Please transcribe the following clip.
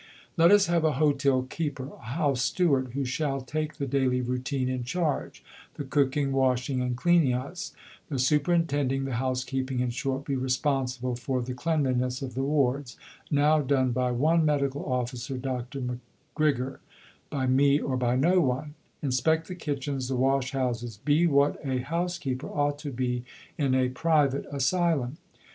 Let us have a Hotel keeper, a House steward, who shall take the daily routine in charge the cooking, washing and cleaning us the superintending the housekeeping, in short, be responsible for the cleanliness of the wards, now done by one Medical Officer, Dr. M'Grigor, by me, or by no one inspect the kitchens, the wash houses, be what a housekeeper ought to be in a private Asylum.